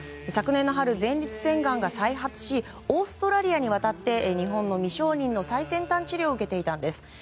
昨年の春、前立腺がんが再発しオーストラリアに渡って日本の未承認の最先端治療を受けていたんです。